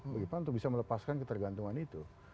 bagi pan untuk bisa melepaskan ketergantungan itu